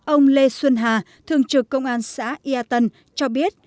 ông lê xuân hà thường trực công an xã yà tân cho biết